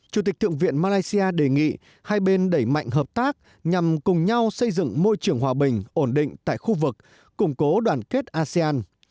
chủ tịch thượng viện malaysia đề nghị hai bên đẩy mạnh hợp tác nhằm cùng nhau xây dựng môi trường hòa bình ổn định tại khu vực củng cố đoàn kết asean